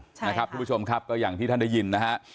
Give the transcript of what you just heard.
ใช่นะครับทุกผู้ชมครับก็อย่างที่ท่านได้ยินนะฮะ